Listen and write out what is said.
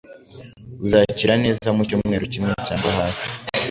Uzakira neza mucyumweru kimwe cyangwa hafi.